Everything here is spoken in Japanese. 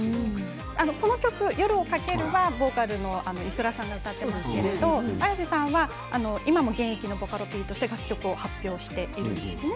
この曲、「夜に駆ける」はボーカルのｉｋｕｒａさんが歌っていますがＡｙａｓｅさんは今も現役のボカロＰとして楽曲を発表しているんですね。